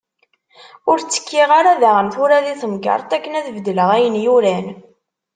Ur tekkiɣ ara daɣen tura di tmegreḍt akken ad bedleɣ ayen yuran.